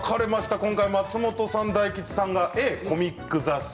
今回、松本さん、大吉さんがＡのコミック雑誌。